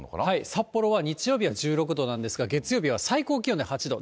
札幌は日曜日１６度なんですが、月曜日は最高気温で８度。